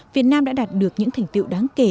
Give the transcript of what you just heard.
việt nam đã đạt được những thành tiệu đáng kể